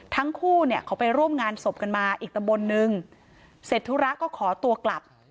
ทั้งคู่เนี่ยเขาไปร่วมงานศพกันมาอีกตำบลนึงเสร็จธุระก็ขอตัวกลับ